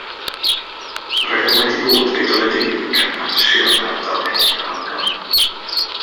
Roeddem wedi bod gydol y dydd yn canfasio yn ardal Henllan Amgoed.